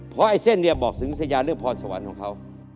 เพราะเส้นนี้บอกถึงสัญญาเรื่องพรสวรรค์ของเขา